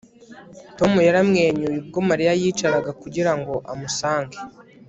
Tom yaramwenyuye ubwo Mariya yicaraga kugira ngo amusange